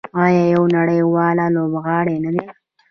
آیا یو نړیوال لوبغاړی نه دی؟